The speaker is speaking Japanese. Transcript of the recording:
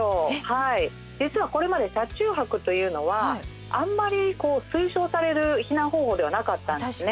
実はこれまで車中泊というのはあんまり推奨される避難方法ではなかったんですね。